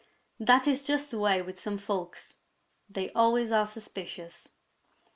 That is just the way with some folks; they always are suspicious.